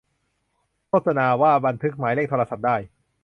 โฆษณาว่า บันทึกหมายเลขโทรศัพท์ได้